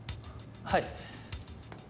はい。